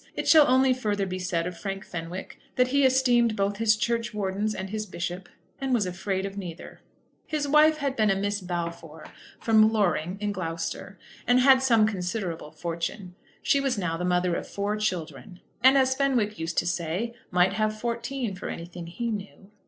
It shall only further be said of Frank Fenwick that he esteemed both his churchwardens and his bishop, and was afraid of neither. His wife had been a Miss Balfour, from Loring, in Gloucestershire, and had had some considerable fortune. She was now the mother of four children, and, as Fenwick used to say, might have fourteen for anything he knew.